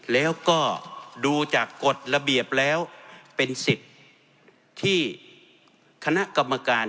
แล้วก็ดูจากกฎระเบียบแล้วเป็นสิทธิ์ที่คณะกรรมการ